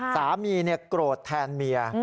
สามีโกรธแทนเมีย